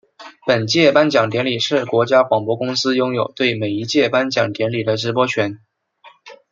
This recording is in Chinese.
本届颁奖典礼是国家广播公司拥有对每一届颁奖典礼的直播权。